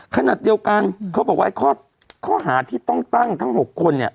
ขนาดเดียวกันเขาบอกว่าข้อหาที่ต้องตั้งทั้ง๖คนเนี่ย